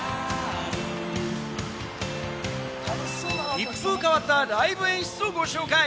一風変わったライブ演出をご紹介。